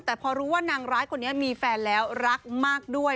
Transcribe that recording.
แต่พอรู้ว่านางร้ายคนนี้มีแฟนแล้วรักมากด้วย